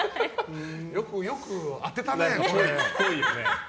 よく当てたね、これ。